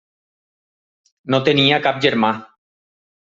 No tenia cap germà.